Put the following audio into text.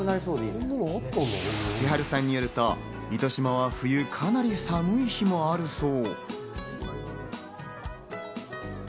千春さんによると、糸島は冬、かなり寒い日もあるそう。